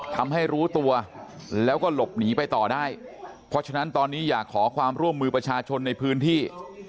ทำให้รู้ตัวแล้วก็หลบหนีไปต่อได้เพราะฉะนั้นตอนนี้อยากขอความร่วมมือประชาชนในพื้นที่